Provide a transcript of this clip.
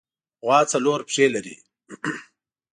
غوا څلور پښې لري.